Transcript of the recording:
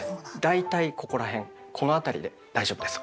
だいたいここら辺この辺りで大丈夫です。